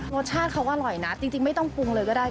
รสชาติเขาอร่อยนะจริงไม่ต้องปรุงเลยก็ได้